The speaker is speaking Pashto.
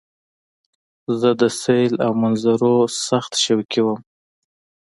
زه د سیل او منظرو سخت شوقی وم.